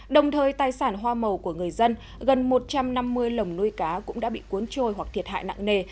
đồng thời tài sản hoa màu của người dân gần một trăm năm mươi lồng nuôi cá cũng đã bị cuốn trôi hoặc thiệt hại nặng nề